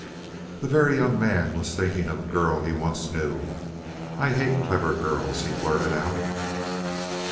The Very Young Man was thinking of a girl he once knew. "I hate clever girls," he blurted out.